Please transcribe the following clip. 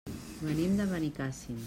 Venim de Benicàssim.